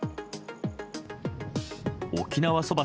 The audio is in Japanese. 沖縄そば